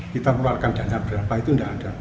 kita keluarkan dana berapa itu tidak ada